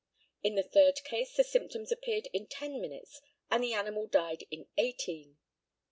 In the third case the symptoms appeared in ten minutes, and the animal died in eighteen.